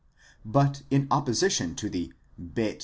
But in apposition to the 7}7!